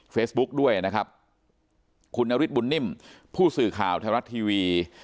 เฟซบุ๊กด้วยนะครับคุณอฤษฐ์บุญนิ่มผู้สื่อข่าวธรรมรัฐทีวี